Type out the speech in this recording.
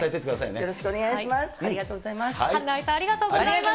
よろしくお願いします。